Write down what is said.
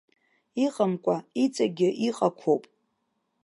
Иҟамкәа, иҵегьы иҟақәоуп.